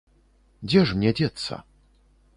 Дзе ж мне дзецца?